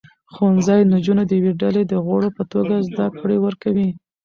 ښوونځي نجونې د یوې ډلې د غړو په توګه زده کړې ورکوي.